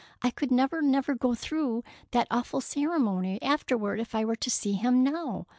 I could never, never, go through that awful ceremony afterward if I were to see him now.